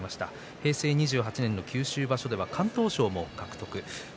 平成２８年の九州場所では敢闘賞も獲得しています。